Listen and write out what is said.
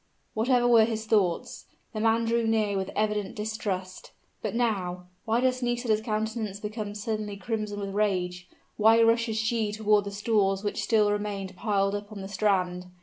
Whatever were his thoughts, the man drew near with evident distrust. But, now why does Nisida's countenance become suddenly crimson with rage? why rushes she toward the stores which still remained piled up on the strand?